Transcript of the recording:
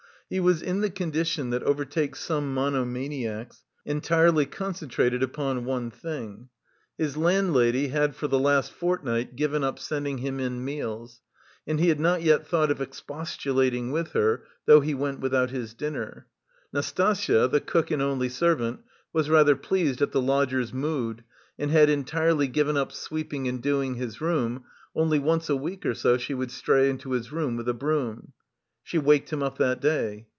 He was in the condition that overtakes some monomaniacs entirely concentrated upon one thing. His landlady had for the last fortnight given up sending him in meals, and he had not yet thought of expostulating with her, though he went without his dinner. Nastasya, the cook and only servant, was rather pleased at the lodger's mood and had entirely given up sweeping and doing his room, only once a week or so she would stray into his room with a broom. She waked him up that day.